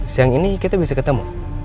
siang ini kita bisa ketemu